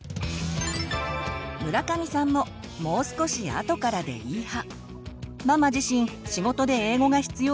村上さんももう少し後からでいい派。